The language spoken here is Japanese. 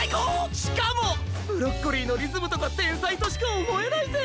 しかもブロッコリーのリズムとかてんさいとしかおもえないぜ！